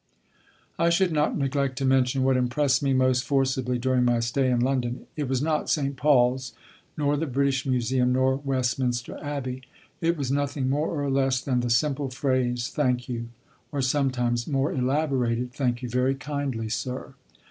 I should not neglect to mention what impressed me most forcibly during my stay in London. It was not St. Paul's nor the British Museum nor Westminster Abbey. It was nothing more or less than the simple phrase "Thank you," or sometimes more elaborated, "Thank you very kindly, sir."